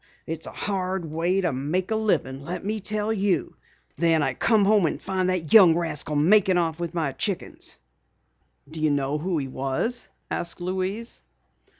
It's a hard way to make a living, let me tell you. Then I come home to find that young rascal making off with my chickens!" "Do you know who he was?" asked Louise.